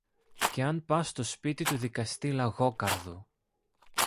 και αν πας στο σπίτι του δικαστή Λαγόκαρδου